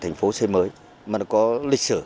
thành phố xây mới mà nó có lịch sử